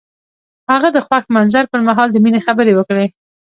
هغه د خوښ منظر پر مهال د مینې خبرې وکړې.